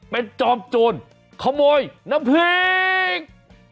เป็นจอมโจรขโมยน้ำพริก